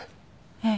ええ。